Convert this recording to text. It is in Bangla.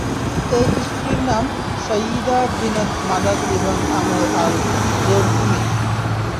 এই স্ত্রীর নাম সায়্যিদা বিনত মাদাদ ইবন আমর আল-জুরহুমী।